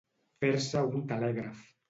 Fer-se un telègraf.